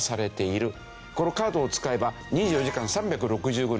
このカードを使えば２４時間３６５日